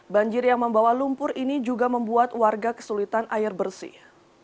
banjir yang membawa lumpur ini juga membuat warga kesulitan air bersih